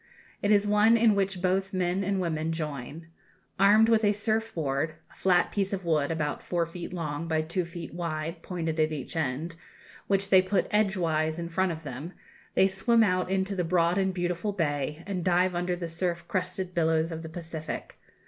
It is one in which both men and women join. Armed with a surf board a flat piece of wood, about four feet long by two feet wide, pointed at each end which they put edge wise in front of them, they swim out into the broad and beautiful bay, and dive under the surf crested billows of the Pacific.